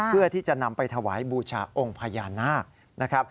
เพื่อที่จะนำไปถวายบูชาองค์พญานาคนะครับ